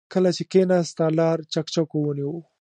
کله چې کېناست، تالار چکچکو ونيو.